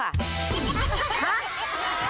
ลายเสื้อ